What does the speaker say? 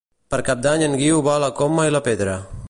Per Cap d'Any en Guiu va a la Coma i la Pedra.